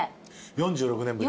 ４６年ぶり。